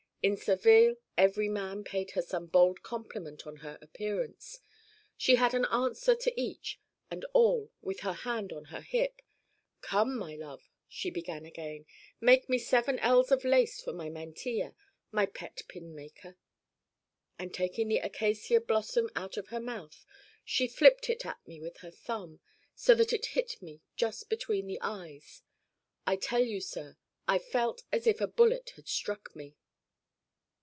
In Seville every man paid her some bold compliment on her appearance. She had an answer to each and all with her hand on her hip "Come, my love," she began again, "make me seven ells of lace for my mantilla, my pet pin maker." And taking the acacia blossom out of her mouth she flipped it at me with her thumb so that it hit me just between the eyes. I tell you, sir, I felt as if a bullet had struck me.